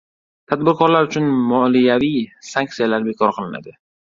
Tadbirkorlar uchun moliyaviy sanksiyalar bekor qilinadi